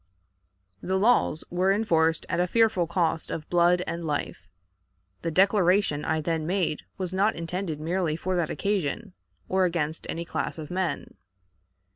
The laws were enforced at a fearful cost of blood and life. The declaration I then made was not intended merely for that occasion, or against any class of men.